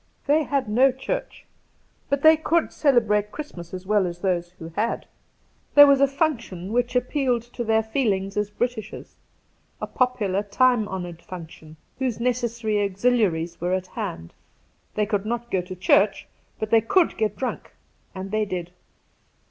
They had no church, but they could celebrate Christmas as well as those who had. There was a function which appealed to their feelings as Britishers — a popular, time honoured function, whose necessary auxiliaries 1 88 Two Christmas Days were at hand. They coald not go to church, but they could get drunk ; and they did.